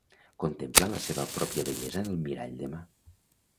Contempla la seva pròpia bellesa en el mirall de mà.